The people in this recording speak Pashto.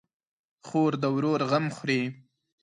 خور د ورور غم خوري.